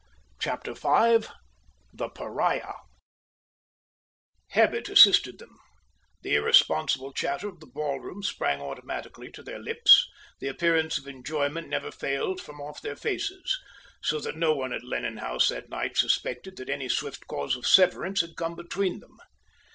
CHAPTER V THE PARIAH Habit assisted them; the irresponsible chatter of the ballroom sprang automatically to their lips; the appearance of enjoyment never failed from off their faces; so that no one at Lennon House that night suspected that any swift cause of severance had come between them.